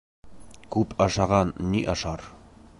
Күп ашаған ни ашар?